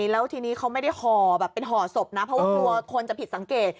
แล้วทีนี้เขาไม่ได้ห่อแบบเป็นห่อศพนะเพราะว่ากลัวคนจะผิดสังเกต